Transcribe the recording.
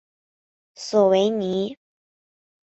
索维尼。